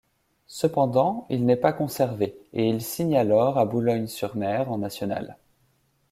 Cependant, il n'est pas conservé, et il signe alors à Boulogne-sur-Mer en National.